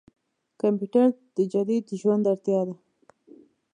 کمپيوټر د جديد ژوند اړتياده.